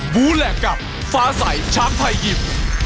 บูแหลกกับฟ้าใสช้างไทยยิม